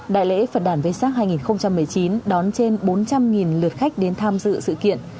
đại lễ phật đàn vê sắc hai nghìn một mươi chín đón trên bốn trăm linh lượt khách đến tham dự sự kiện